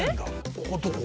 ここどこ？